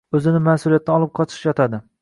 o‘zini mas’uliyatdan olib qochish yotadi.